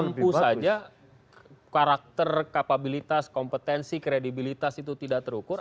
mampu saja karakter kapabilitas kompetensi kredibilitas itu tidak terukur